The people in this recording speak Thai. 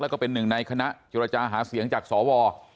แล้วก็เป็นหนึ่งในคณะเจรจาหาเสียงจากสว